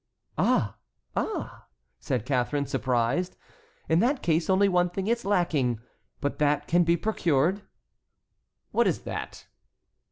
"Ah, ah!" said Catharine, surprised. "In that case only one thing is lacking, but that can be procured." "What is that?"